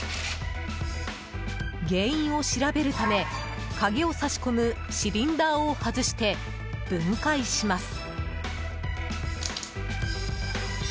原因を調べるため、鍵を挿し込むシリンダーを外して分解します。